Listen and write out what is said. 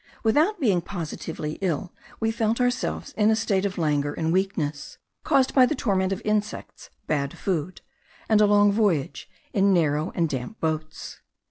Without being positively ill, we felt ourselves in a state of languor and weakness, caused by the torment of insects, bad food, and a long voyage, in narrow and damp boats.